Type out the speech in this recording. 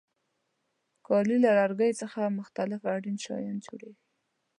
کالي له لرګیو څخه مختلف اړین شیان جوړیږي.